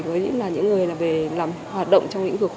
với những người làm hoạt động